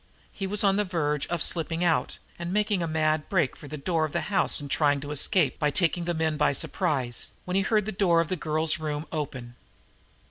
He was on the verge of slipping out and making a mad break for the door of the house and trying to escape by taking the men by surprise, when he heard the door of the girl's room open.